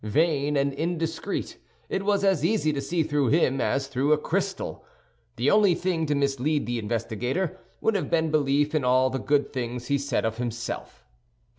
Vain and indiscreet, it was as easy to see through him as through a crystal. The only thing to mislead the investigator would have been belief in all the good things he said of himself.